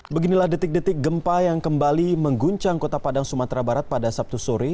beginilah detik detik gempa yang kembali mengguncang kota padang sumatera barat pada sabtu sore